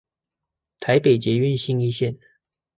台北捷運信義線